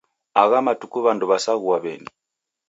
Agha matuku w'andu w'asaghua w'eni.